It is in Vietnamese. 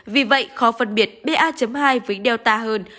vì vậy khó phân biệt ba hai với delta hơn